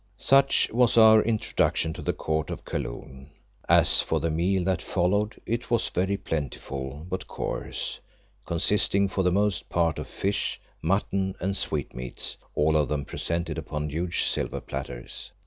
Such was our introduction to the court of Kaloon. As for the meal that followed, it was very plentiful, but coarse, consisting for the most part of fish, mutton, and sweetmeats, all of them presented upon huge silver platters.